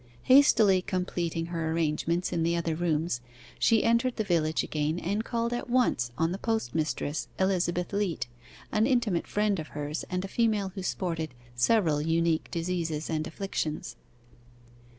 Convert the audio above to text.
Hastily completing her arrangements in the other rooms, she entered the village again, and called at once on the postmistress, Elizabeth Leat, an intimate friend of hers, and a female who sported several unique diseases and afflictions.